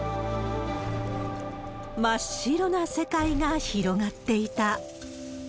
真っ白な世界が広がっていた。